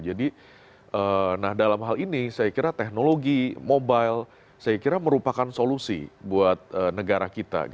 jadi dalam hal ini saya kira teknologi mobile saya kira merupakan solusi buat negara kita